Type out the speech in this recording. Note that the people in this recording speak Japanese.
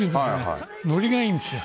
ノリがいいんですよ。